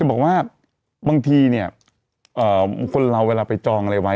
บอกว่าบางทีเนี่ยคนเราเวลาไปจองอะไรไว้